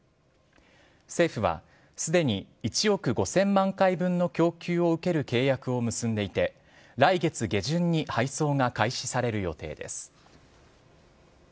政府はすでに１億５０００万回分の供給を受ける契約を結んでいて、来月下旬に配送が開始される予定です。